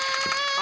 あ！